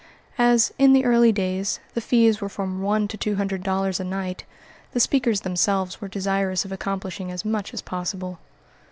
As, in the early days, the fees were from one to two hundred dollars a night, the speakers themselves were desirous of accomplishing as much as possible.